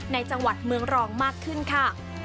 ในจังหวัดเมืองรองมากขึ้นค่ะ